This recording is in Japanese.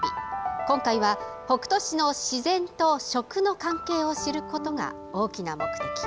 今回は北杜市の自然と食の関係を知ることが大きな目的。